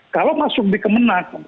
kalau masuk di kemenang